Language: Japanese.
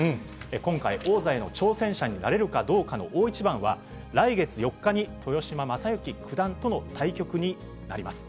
今回、王座への挑戦者になれるかどうかの大一番は、来月４日に豊島将之九段との対局になります。